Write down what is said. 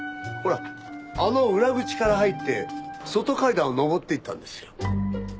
ほらあの裏口から入って外階段を上っていったんですよ。